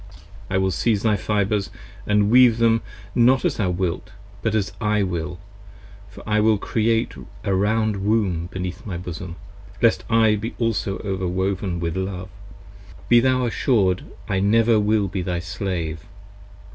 I will sieze thy fibres & weave Them, not as thou wilt but as I will, for I will Create A round Womb beneath my bosom, lest I also be over woven 15 With Love; be thou assured I never will be thy slave.